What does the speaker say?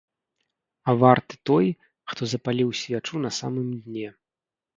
А варты той, хто запаліў свячу на самым дне.